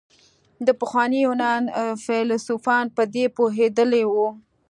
د پخواني يونان فيلسوفان په دې پوهېدلي وو.